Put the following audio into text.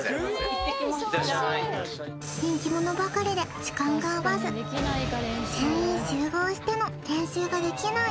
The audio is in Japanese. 行ってらっしゃい人気者ばかりで時間が合わず全員集合しての練習ができない